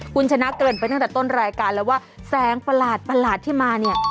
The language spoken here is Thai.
คุณชนะเกริ่นไปตั้งแต่ต้นรายการแล้วว่าแสงประหลาดที่มาเนี่ย